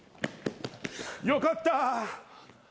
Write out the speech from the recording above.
よかった！